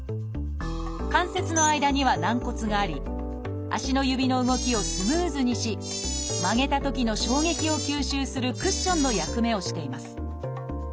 関節の間には軟骨があり足の指の動きをスムーズにし曲げたときの衝撃を吸収するクッションの役目をしています。